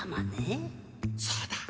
そうだ。